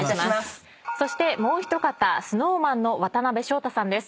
そしてもう一方ＳｎｏｗＭａｎの渡辺翔太さんです。